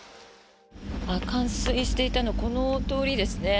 冠水していたのはこの通りですね。